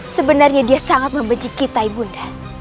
sebenarnya dia sangat membenci kita ibu nda